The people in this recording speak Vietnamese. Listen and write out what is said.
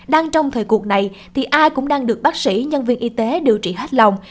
đang trong thời cuộc này thì ai cũng đang được bác sĩ nhân viên y tế điều trị hết lòng